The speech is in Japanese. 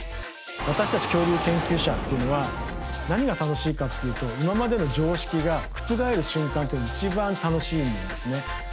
私たち恐竜研究者っていうのは何が楽しいかっていうと今までの常識が覆る瞬間っていうのが一番楽しいんですね。